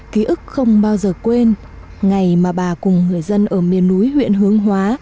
ký ức không bao giờ quên ngày mà bà cùng người dân ở miền núi huyện hướng hóa